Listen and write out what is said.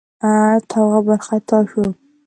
تواب وارخطا شو: